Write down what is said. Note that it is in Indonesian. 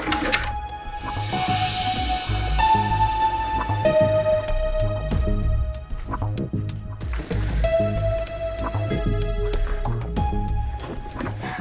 gak ada sih